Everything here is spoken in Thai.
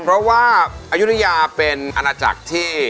เพราะว่าอายุทยาเป็นอาณาจักรที่